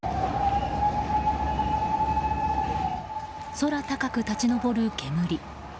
空高く立ち上る煙。